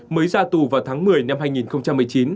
mới ra tù vào tháng một mươi năm hai nghìn một mươi chín